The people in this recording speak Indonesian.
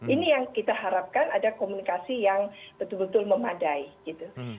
ini yang kita harapkan ada komunikasi yang betul betul memadai gitu